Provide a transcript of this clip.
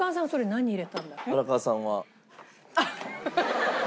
荒川さんは？